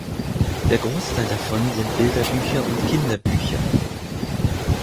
Der Großteil davon sind Bilderbücher und Kinderbücher.